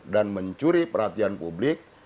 dan mencuri perhatian publik